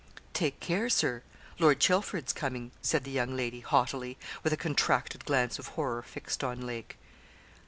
'Take care, Sir, Lord Chelford's coming,' said the young lady, haughtily, with a contracted glance of horror fixed on Lake.